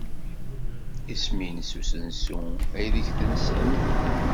Isem-nnes usensu aydeg tensamt?